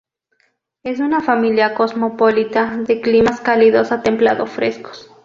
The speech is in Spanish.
Es una familia cosmopolita de climas cálidos a templado-frescos.